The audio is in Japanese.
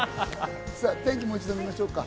天気、もう一度見ましょうか。